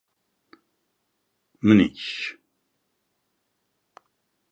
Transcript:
منیش.